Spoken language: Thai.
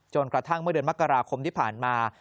กระทั่งเมื่อเดือนมกราคมที่ผ่านมา